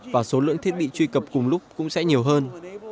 và số lượng thiết bị truy cập cùng lúc cũng sẽ nhiều hơn